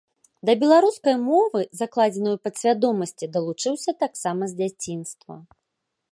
Да беларускай мовы, закладзенай у падсвядомасці, далучыўся таксама з дзяцінства.